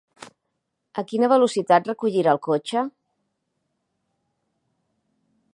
A quina velocitat recollirà el cotxe?